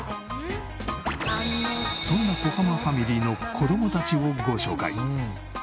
そんな小濱ファミリーの子供たちをご紹介。